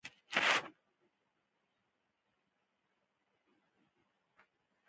فلم جوړونه تخنیکي پوهه غواړي.